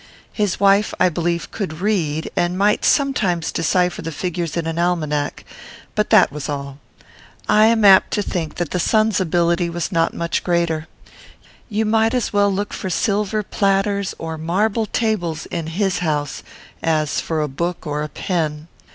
His wife, I believe, could read, and might sometimes decipher the figures in an almanac; but that was all. I am apt to think that the son's ability was not much greater. You might as well look for silver platters or marble tables in his house, as for a book or a pen.